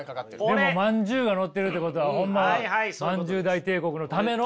でもまんじゅうがのってるってことはホンマまんじゅう大帝国のための。